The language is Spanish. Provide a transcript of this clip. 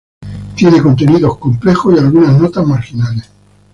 Tiene contenidos complejos y algunas notas marginales.